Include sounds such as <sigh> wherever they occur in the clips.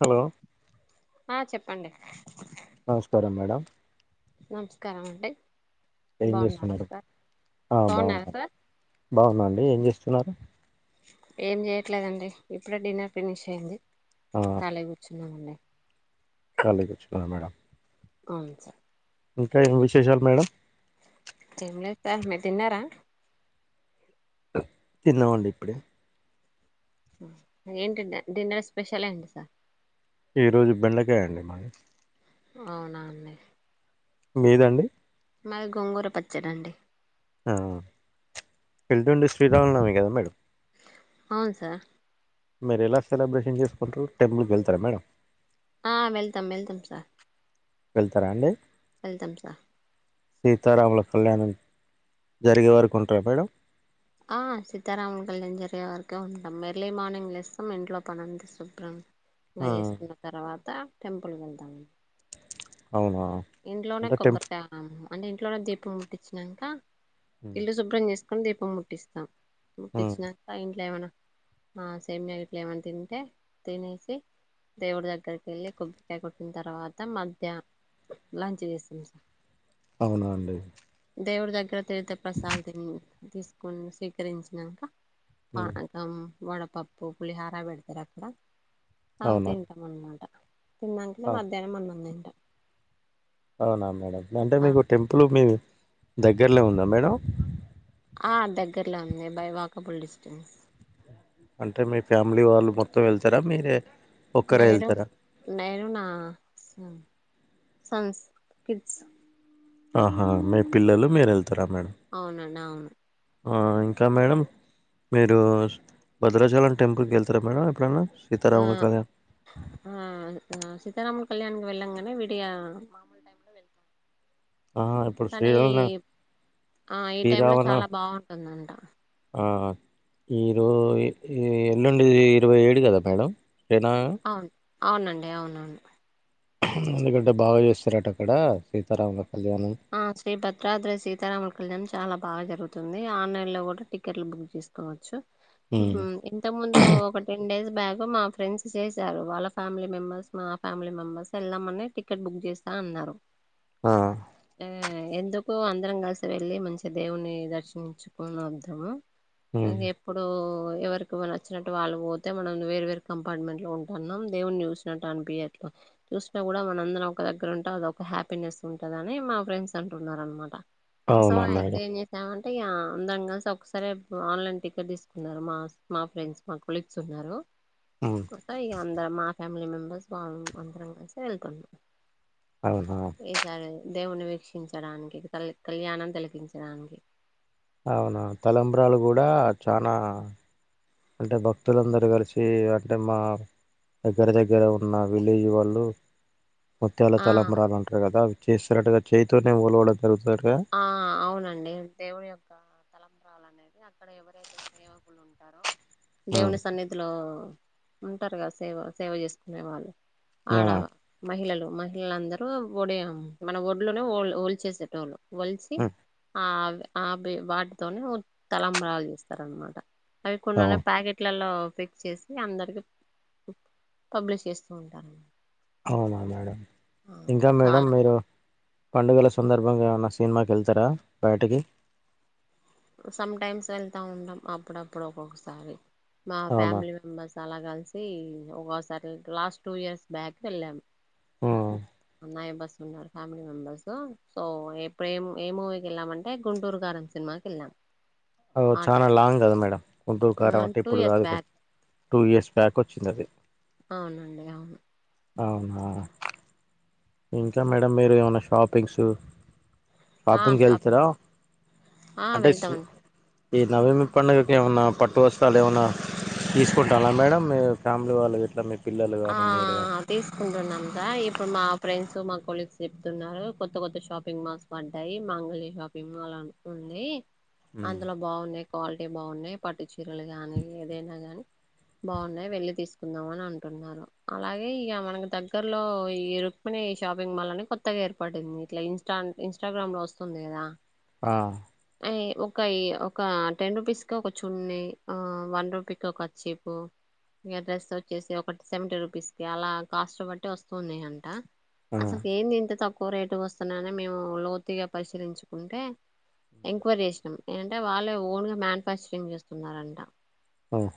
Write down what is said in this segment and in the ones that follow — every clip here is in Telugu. హలో ఆ చెప్పండి నమస్కారం మేడం నమస్కారం అండి ఏం బాగున్నారా చేస్తున్నారు సార్ ఆ బాగున్నారా బాగున్నా సార్ బాగుందండి ఏం చేస్తు స్తున్నాం ఏం చేయట్లేదండి ఇప్పుడే డిన్నర్ ఫినిష్ అయింది. కాలిగా కూర్చున్నామండి. ఖాళీగా కూర్చున్నారా మేడం. అవును సార్ ఇంకా ఏం విశేషాలు మేడం. ఏం లేదు సార్ మీరు తిన్నారా? తిన్నామండి ఇప్పుడే ఏంటి డిన్నర్ స్పెషలే ఏంటి సార్? ఈ రోజు బెండకాయ అండి మాది. అవునాండి మీదండి అ గోంగూర పచ్చడండి. ఆ వెళ్తుండే శ్రీరామనవమి కదా మేడం. అవును సార్. మీరు ఎలా సెలబ్రేషన్ చేసుకుంటారు. టెంపుల్కి వెళ్తారా మేడం. ఆ వెళ్తాం వెళ్తాం సార్ వెళ్తారా అండి. వెల్తమ్ సార్ సీతారాముల కళ్యాణం జరిగే వరకు ఉంటార మేడం. ఆ సీతారాముల కళ్యాణం జరిగే వరకే ఉంటాం. ఎర్లీ మార్నింగ్ లెస్తాం ఇంట్లో పనంత శుభ్రం ఇ ఆ వేసుకున్న తర్వాత టెంపుల్కి వెళ్తాము. అవునా ఇంట్లోనే అంటే టెంపుల్ కొబ్బరికాయ అన్నాను. అంటే ఇంట్లో కూడా దీపం పుట్టించినాంకా ఇల్లు శుభ్రం చేస్తా మక్కన దీపం ముట్టిస్తాం. ఉమ్ పుట్టిచ్చినంక ఇంట్లో ఏమన్నా ఆ సేమయా ఇంట్లో ఏమనా తింటే తినేసి, దేవుడి దగ్గరికి వెళ్ళి కొబ్బరికాయ కొట్టిన తర్వాత మధ్యాహన లంచ్ చేస్తాం సార్ అవునా అండి. దేవుడు దగ్గర తీర్ద ప్రసాదం తిని తీసుకొని స్వీకరించినాంక ఉమ్ పానకం వడపప్పు, పులిహార పెడతారు అక్కడ అ అవునా తింటాం అన్నమాట. తిన్నాక ఆ, మధ్యాహ్నం అన్నం తింటాము అవునా మేడం అంటే మీకు టెంపుల్ మీవి దగ్గరలో ఉందా మేడం దగ్గరలో ఉంది బై వాకబుల్ డిస్టెన్స్ అంటే మీ ఫ్యామిలీ వాళ్ళు మొత్తం వెళ్తారా మీరే ఒక్కరే నేను వెళ్తారా నేను నా సన్స్ కిడ్స్ ఆహా మీ పిల్లలు మీరు వెళ్తు అవునండి అవును ఇంకా మేడం మీరు భద్రాచలం టెంపుల్కి వెళ్తారా మేడం ఎప్పుడనా ఆ ఆ సీతారామ కళ్యాణ కి వెళ్ళాంగానే వీడిగా మామూలు టైమ్ లో వెళ్తాం ఆ ఇప్పుడు కానీ ఈ శ్రీరామ ఆ ఈ టైమ్ లో శ్రీరామన చాలా బాగుంటుందంట ఈరో ఎల్లుండి ఇరవై ఏడు కదా మేడం శ్రీనా అవును అవునండి అవునవును ఎందుకంటే బాగా చేస్తారట అక్కడ సీతారామా ఆ శ్రీ భద్రాద్రి సీతారామల కళ్యాణ్ చాలా బాగా జరుగుతుంది ఆన్లైన్ లో కూడా టికెట్లు బుక్ చేసుకోవచ్చు ఉమ్ ఇంత ముందు ఒక టెన్ డేస్ బ్యాగ మా ఫ్రెండ్స్ చేసారు వాళ్ళ ఫ్యామిలీ మెంబెర్స్ మా ఫ్యామిలీ మెంబెర్స్ వెళ్ళామని టికెట్ బుక్ చేస్తా అన్నారు ఆ ఆ ఎందుకు అందరం కలిసి వెళ్ళి మంచి దేవుని దర్శించుకుని వద్దాము ఇకా ఉమ్ ఎప్పుడు ఎవరికి మ వచ్చినట్టు వాళ్ళు పోతే మనం వేర వేరు కంపార్ట్మెంట్ లో ఉంటున్నాం దేవుని చూసినట్టు అనిపి అట్లా చూసినా కూడా మనందరం ఒక దగ్గర ఉంటే అదొ ఒక హ్యాపీనెస్ ఉంట కదని మా ఫ్రెండ్స్ అంటున్నరు అనమాట సో అవునా అయితే మేడం ఏం అంటేయ అందాం కలిసి ఒకసారి ఆన్లైన్ టికెట్ తీసుకున్నారు మా మా ఫ్రెండ్స్ మా కొలీగ్స్ ఉన్నారు ఉమ్ తాయ అందర మా ఫ్యామిలీ మెంబెర్స్ వాళ్ళ అందరం కలిసి వెళ్తున్నాం అవున ఈసారి దేవుని వీక్షించడానికి క కళ్యాణం తిలపించడానికి అవును తలంబరాలు కూడా చాలా అంటే భక్తులందరూ కలిసి అంటే మా దగ్గర దగ్గర ఉన్న విలేజ్ వాళ్ళు ముత్యాల ఆ తెలంబరాలుంటారు కదా చేస్తున్నట్టుగా చేయతోనే పోఓలవడదు ఆ అవునండి దేవుడి యొక్క తలంబ్రాలు అనే అక్కడ ఎవరైతే సేవకులు ఉంటారో ఉమ్, దేవుని సన్నిధిలో ఉంటారుగా సేవ సేవ చేసుకునే వాళ్ళు ఆ ఆడవ మహిళలు మహి ఇల్లందరూ ఒడి మన ఒడ్లోనే ఒల్ చేసేటోళ్ళు వల్సిి ఉమ్, ఆ వాటితోనే తలంబ్రాలు చేస్తారనమాట అవి అవును కొన్నన్నా ప్యాకెట్లలో పెక్ చేసి అందరికి పబ్లిష్ చేస్తూ ఉంటారన్నమాట అవున మేడం ఇంక చాలా మేడం మీరు పండుగల సుందర ంగా ఏమన్న సినిమాకి వెళ్తరా బయటికి సమ్ టైమ్స్ వెళ్తా ఉంటాం అప్పుడప్పుడు ఒక్కొక్కసారి మా అవునా ఫ్యామిలి మెంబర్స్ అలా కలిసి ఒకొసారి లాస్ట్ టూ ఇయర్స్ బ్యాక్ వెళ్ళాము ఉమ్, నాయి బస్ ఫ్యామిలీ మెంబర్స్ సో ఎప్పుడ ఏ ఏ మూవీకి వెళ్ళామంటే గుంటూరు కారం సినిమా వెల్లాం చాల లాంగ్ కదా మేడం గుంటూరు కారం అంటే టూ ఇప్పుడు ఇయర్స్ కాదు బ్యాక్ టూ ఇయర్స్ బ్యాక్ వచ్చింది అది అవునండి అవును అవున్ ఆ ఇంకా మేడం మీరు ఏమైనా షాపింగ్స్ ఆ షాపింగ్కి షాప్ వెళ్తారా ఆ అంటే వెళ్తామండి ఈ నవీమి పండుగకు ఏమైన్నా పట్టు వస్తలు ఏమన్నా తీసుకుంటా అా మేడం మీ ఫ్యామిలీ వాళ్ళ ఇట్లా మీ పిల్లలు ఆ కానీ మీరు తీసుకుంటున్నాంగ ఇప్పుడు మా ఫ్రెండ్స్ మా కొలిక్స్ చెప్తున్నారు కొత్త కొత్త షాపింగ్ మాల్స్ పడ్డాయి మాంగల్య షాపింగ్ మాల్ ఉంది కానీ అందులో బాగున్నయి క్వాలిటీ బాగున్నాయి పట్టు చీరలు గానీ ఏదైనా గాని బాగున్నాయి వెళ్ళి తీసుకుందాం అని అ కున్నారు అలాగే ఇక మనకి దగ్గర్లో ఈ రుక్మిణి షాపింగ్ మాల్ అని కొత్తగా ఏర్పడింది ఇట్ల ఇస్ా ఇన్స్టాగ్రామ్ లో వస్తుంది కదా ఆ ఎ ఒక ఇ ఒక టెన్ రూపీస్ కి ఒక చున్ని వన్ రూపీకి ఒక చీపు ఇకా డ్రెస్ వచ్చేసి ఒక సెవెంటీ రూపీస్ కి అలా కాస్ట్ బట్టి వస్తుంది అంట ఆ అసల్కిేన్ ఇంత తక్ క్కువ రేటుగా వస్తున్నాని మేము లోతుగా పరిశీలించుకుంటే ఎంక్వైరీ చేసినాం ఏంటే వాళ్ళు ఓన్గా మ్యానుఫ్యాక్చరింగ్ చేస్తున్నారంట ఆహ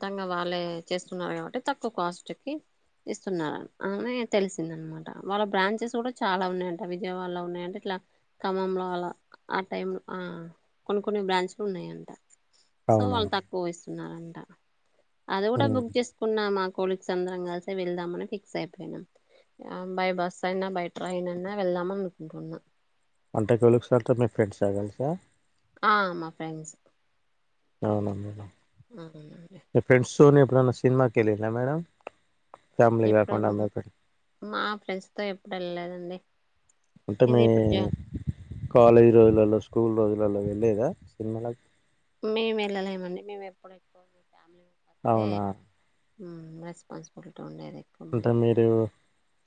మొత్తంగా వాళ్ళే చేస్తున్నారు కాబట్టి తక్కువ కాస్ట్కి ఇస్తున్నారు వెన్నె తెలిసిందనమాట వాళ్ళ బ్రాంచెస్ కూడా చాలా ఉన్నాయంట విజయవాడలో ఉన్నాయంట ఇట్లా ఖమ్మంలో అల ఆ టైమ్ అ కొన్ని కొన్ని బ్రాంచ్లు ఉన్నాయంట సో అవునా వాళ్ళు తకో వేస్తే సున్నారంట అది కూడా మేడం బుక్ చేసుకున్నా మాకు కొలిక్స్ అందరం కలిసి వెళ్దామని ఫిక్స్ అయిపోయియాం బై బస్ అయినా బై ట్రైన్ అయినా వెళ్దాం అనుకుంటున్నాం అంటకిలుకు సారితో మీ ఫ్రెండ్స్ ఆగాలి సార్ ఆ మ ఫ్రెండ్స్ అవున మేడం అనే సోనిప్పు సినిమాకు వెళ్ళిండ్ర మేడం ఫ్యామిలీ కాకుండా ఎప్పుడు ఎక్కడ మా ఫ్రెండ్స్ తో ఎప్పుడు వెళ్లేదండి అంటే మీ కాలేజీ రోజులలో స్కూల్ రోజులలో వెళ్లేదా సినిమలకు మేము వెళ్ళలేమండి మేము ఎప్పుడ ఎక్కువ చలు పతే అవునా రెస్పాన్సిబిలిటీ ఉండేది ఎక్కువ అంటే మాకు మీరు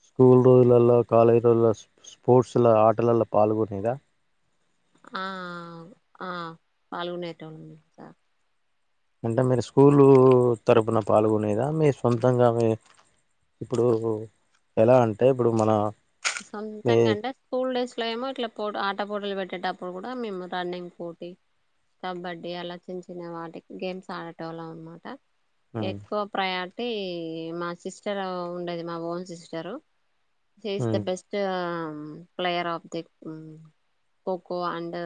స్కూల్ రోజులలో కాలేజ్ రోజుల్లో స్పోర్ట్స్ల ఆటలలో పాల్గొనేద పాల్గొనేట వాళ్ళ ఉన్నా సార్ అంటే మీరు స్కూలు తరఫున పాల్గొనేదా మీ సొంతంగా మీ ఇప్పుడు ఎలా అంటే ఇప్పుడు మన మీ సొంతంగా అంటే స్కూల్ డేస్ లో ఏమో ఇట్లా పో పట్టపూటలు పెట్టేటప్పుడు కూడా మేము రన్నింగ్ పోటీ కబడ్డీ అలా చిన్న చిన్న వాటికి గేమ్స్ ఆడే వాళ్ళం అనమాట ఉమ్ ఎక్కువ ప్రయా అంటే మా సిస్టర్ ఉండేది మా own sister um best player of the kho kho and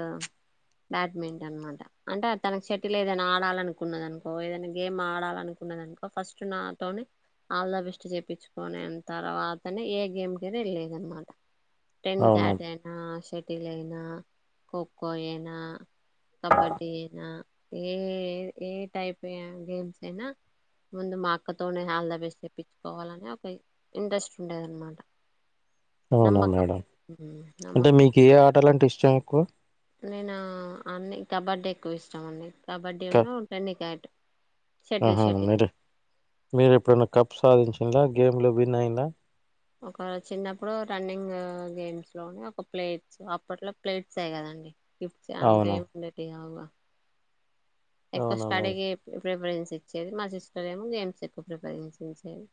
badminton అనమాట అంటే తన సెటిల్ ఏదైనా ఆడాలనుకున్నదనుకో ఏదైనా గేమ్ ఆడాలనుకున్నదనుకో ఫస్ట్ నాతోనే ఆల్ ద బెస్ట్ చేయించుకని తర్వాతనే ఏ గేమ్ ఇద లేదన్నమాట టెన్ అవునా గార్డెన్ హాకీ అయినా ఖోఖో అయినా కబడ్డీ అయినా ఏ ఏ టైప్ గేమ్స్ అయినా ముందు మా అక్కతోనే హల్ ద బెస్ట్ తెప్పించుకోవాలని ఒక ఇంట్రెస్ట్ ఉండేది అనమాట అవునా నమ్మకం మేడం అంటే నమ్మకం మీకు ఏ ఆటలంటే ఇష్టం ఎక్కువ నేను అన్ని కబడ్డీ ఎక్కువ ఇష్టం అండి కబడ్డీ క ఉన్న టన్నికియట్ ఆహా <inaudible> మీరు ఎప్పుడైనా కప్ సాధించ ంద గేమ్ లో విన్ అయినా ఒక చిన్నప్పుడు రన్నింగ్ గేమ్స్ లోని ఒక ప్లేట్స్ అప్పట్లో ప్లేట్సే కదండి అవునా <unintelligible> ఎక్కువ అవునా స్టడీ మేడం చేయకు ప్రిపరెన్స్ ఇచ్చేది మా సిస్టర్ ఏమో గేమ్స్ ఎక్కువ ప్రిపరెన్స్ ఇచ్చేది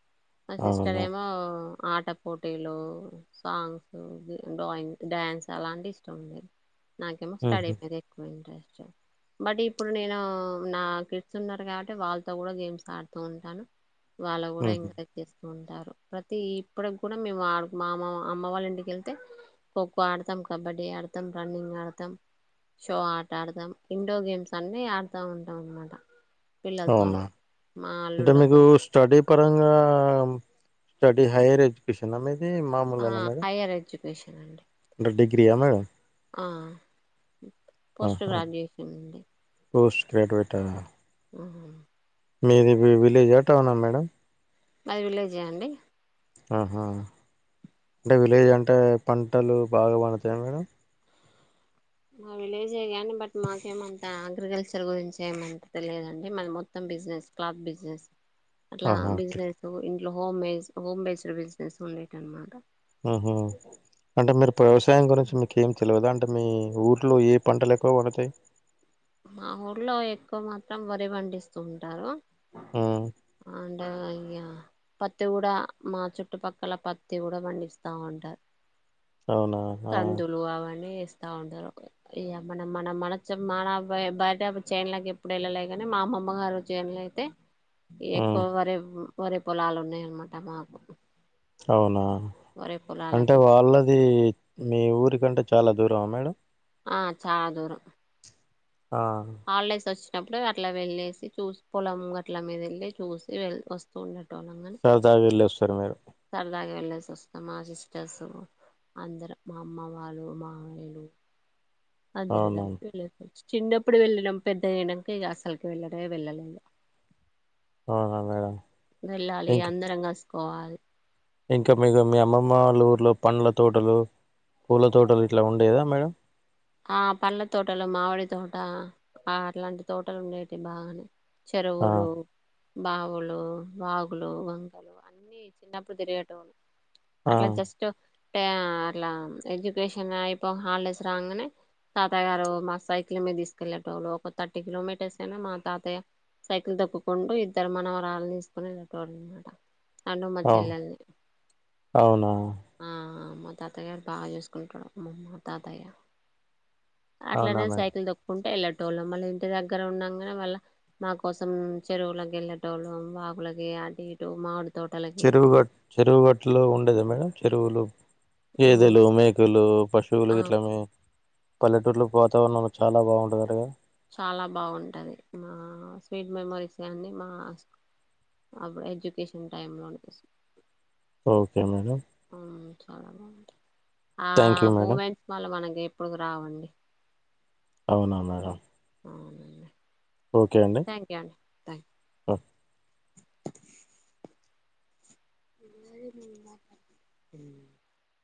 ఆ సిస్టర్ అవునా ఏమో ఆటపోటీలు, సాంగ్స్, డ్రాయింగ్, డ్యాన్స్ అలాంటివి ఇష్టం ఉండేది నాకేమో స్టడీ ఉహు మీద ఎక్కువ ఇంట్రెస్ట్ బట్ ఇప్పు డు నేను నా కిడ్స్ ఉన్నారు కాబట్టి వాళ్ళతో కూడా గేమ్స్ ఆడుతూ ఉంటాను వాళ్ళ కూడా ఉహు ఎంకరేజ్ చేస్తు ఉంటారు ప్రతి ఇప్పటికి కూడా మేముడు మా అమ్మ అమ్మ వాళ్ళ ఇంటికెళ్తే ఖోఖో ఆడతాం, కబడ్డీ ఆడతాం, రన్నింగ్ ఆడతాం షో ఆట ఆడతాం ఇండోర్ గేమ్స్ అన్నీ ఆడుతా ఉంటాం అనమాట అవునా అంటే మీకు స్టడీ పరంగా స్టడీ హైర్ ఎజ్యుకేషనా మీ ది మామూలానే మరి కేషన్ అండి మీరు డిగ్ర్రియా మేడం ఆ పోస్ట్ ఆహా గ్రాడ్యుయేషన్ అండి పోస్ట్ గ్రాడ్యూయేట మ్మ్ మీది విలేజా, టౌనా మేడం మాది విలేజే అండి ఆహా <inaudible> విలేజ్ అంటావా పంటలు బాగా పండుతాయ మేడం మా విలేజే కానీ బట్ మాకేమంత అగ్రికల్చర్ గురించి ఏమంత తెలియదండి మాది మొత్తం బిజినెస్ క్లాత్ బిజినెస్ అట్లా ఆహా ఓకే బిజినెస్ ఇంకా home based home based business ఉండేట్ అనమాట అంటే మీరు వ్యవసాయం గురించి మీకేం తెలవదంటే మీ ఊర్లో ఏ పంటలు ఎక్కువ <unintelligible> మా ఊళ్లో ఎక్కువ మాత్రం వరే పండిస్తూ ఉంటారు మ్మ్మ్మ్ అండ్ ఇ పత్తి కూడా మా చుట్టుపక్కల పత్తి కూడా పండిస్తా ఉంటారు అవునా ఆ కందులు అవన్నీ ా ఉంటారు ఇ మనం మన మన మన బర్ చేన్లే కి ఎప్పుడు వెళ్ళలే కానీ మా అమమ్మ గారు చేైన్ల అయితే ఉమ్ ఎక్కువగ రేవ్ వరి పోలాలు ఉన్నయన్న మాట మాకు అవునా వరి అంటే పొలాలకి వాళ్ళదీ మీ ఊరి కంటే చాలా దూరమా మేడమ్ ఆ చాలా దూరం ఆ ఆల్దేస్ వచ్ చెప్పలేదు అట్లా వెళ్ళేసి చూసి పొలం గట్ల మీద వెళ్ళి చూసి వెల్తూ వస్తూ ఉంటాం. ట్టోనన్ననీ సరదాగా వెళ్ళొస్తారు మీరు సరదాగా వెళ్ళేసి వస్తుంది మా సిస్టర్సు అందరం మా అమ్మ వాళ్ళు మామయలూ అందరియి అవునా గలిపి లేపోచ్చు చిన్నప్పుడు వెళ్ళినం పెద్దగ ఐనంక అసల్కె వెళ్ళటమే వెళ్ళలేదు అవునా మేడమ్ వెళ్ళాలీ అందరం గలిసి కోవాలి ఇంకా మీకు మీ అమ్మమ్మ వాళ్ళ ఊర్లో పండ్ల తోటలూ, పూల తోటలు గిట్లా ఉండేదా మేడమ్. ఆ పండ్ల తోటలు మావిడి తోటా ఆ అట్లాంటి తోటలు ఉండేటివి బాగనే ఆ చెరువులూ బావులూ వాగులూ వంకలూ అన్ని చిన్నప్పుడు తిరిగేటోడు ఆ అట్లా జెస్టు ప్యా అట్లా ఎడ్యుకేషన్ ఐపో హాల్డేస్ రాంగనే తాత గారు మా సైకిల్ మీద తీసుకెళ్ళేటోళ్ళు ఒక థర్టీ కిలోమీటర్స్ అయినా మా తాతయ్య సైకిల్ తొక్కుకుంటూ ఇద్దరు మనవరాలనీ తీసుకొని వెళ్ళే టోళ్ళు అనమాట. అను మా అవు చెల్లెల్ని అవునా ఆఆ మా తాతయ్యా బా చూసుకుంటడు మా తాతయ్యా అవునా అట్లనే మేడం సైకిల్ దొక్కుంటే ఎళ్లడ్ టోళ్ళం మళ్ళ ఇంటి దగ్గర ఉండంగనే మళ్ళ మా కోసం చెరువులకి కెళ్ళటోళ్ళు వాకులకి అటు ఇటు మాడ్ చెరువుగట్ చెరువుగట్టులో ఉండేదా మేడమ్ చెరువులు గేదెలు, మేకలూ, పశువులు ఆ గిట్ల మి పల్లెటూర్లో వాతావరణం చాలా బాగుంటదట గదా చాలా బాగుంటది మా స్వీట్ మెమరీస్ గానీ మా అప్పుడు ఎడ్యుకేషన్ టైంలోనే ఒకే మేడమ్ ఆ ఆ మేడం మూమెంట్ మళ్ళ మనకి ఎప్పుడుకీ రావండీ అవునా మేడమ్ అండి థాంక్యూ అండి థాంక్యూ ఓ <inaudible>